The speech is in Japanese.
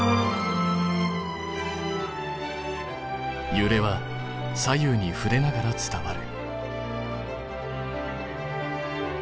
ゆれは左右にふれながら伝わる。